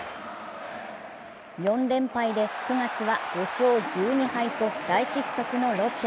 ４連敗で９月は５勝１２敗と大失速のロッテ。